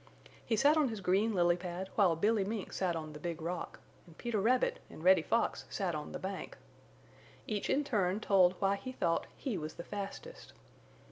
He sat on his green lily pad while Billy Mink sat on the Big Rock, and Peter Rabbit and Reddy Fox sat on the bank. Each in turn told why he thought he was the fastest.